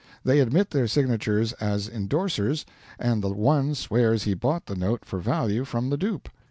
They admit their Signatures as indorsers, and the one swears he bought the note for value from the dupe.